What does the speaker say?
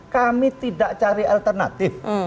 kami tidak cari alternatif